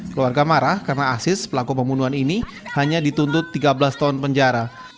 keluarga marah karena asis pelaku pembunuhan ini hanya dituntut tiga belas tahun penjara